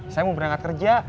saya mau berangkat kerja